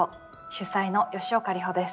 主宰の吉岡里帆です。